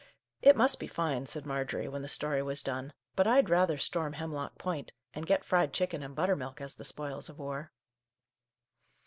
" It must be fine," said Marjorie, when the story was done, " but I'd rather storm Hem lock Point, and get fried chicken and butter milk as the spoils of war."